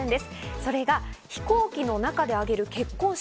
それが飛行機の中で挙げる結婚式。